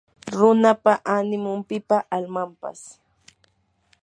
runapa animun; pipa almanpas